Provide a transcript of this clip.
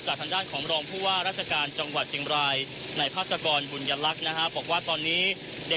พาผู้ชมไปดูประกาศของการแถลงข่าวเมื่อช่วงบ่ายที่ผ่านมากันก่อนนะครับ